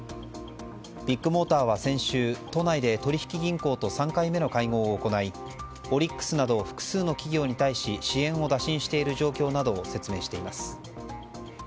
ビッグモーターは先週都内で取引銀行と３回目の会合を行いオリックスなど複数の企業に対し支援を打診している状況などを説明しています。